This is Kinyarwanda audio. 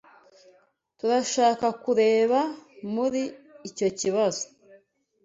Turashaka kureba muri icyo kibazo.